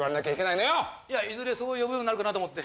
いずれそう呼ぶようになるかなと思って。